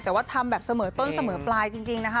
แต่ว่าทำแบบเสมอต้นเสมอปลายจริงนะคะ